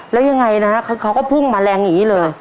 แล้วยังไงนะเขาก็พุ่งมาแรงอย่างนี้เลย